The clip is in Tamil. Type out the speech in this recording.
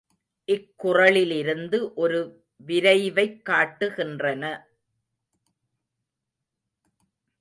இக் குறளிலிருந்து ஒரு விரைவைக் காட்டுகின்றன.